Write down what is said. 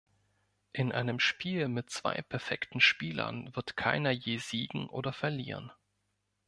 In einem Spiel mit zwei perfekten Spielern wird keiner je siegen oder verlieren.